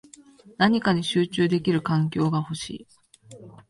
何かに集中できる環境が欲しい